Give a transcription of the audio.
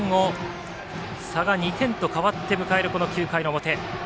差が２点と変わって迎える９回の表。